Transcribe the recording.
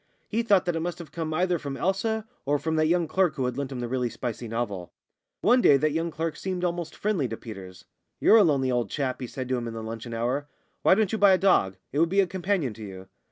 He thought that it must have come either from Elsa or from that young clerk who had lent him the really spicy novel. One day that young clerk seemed almost friendly to Peters. "You're a lonely old chap," he said to him in the luncheon hour. "Why don't you buy a dog? It would be a companion to you."